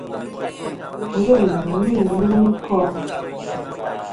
Ngèm ghɨ i yiyn i kom.